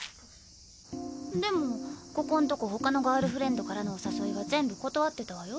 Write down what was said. でもここんとこ他のガールフレンドからのお誘いは全部断ってたわよ。